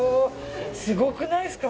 すごくないですか？